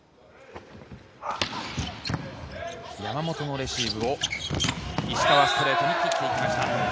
山本のレシーブを石川、ストレートに切っていきました。